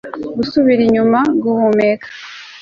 Gusubira inyuma guhumeka